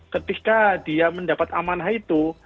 ketika dia mendapat amanhaya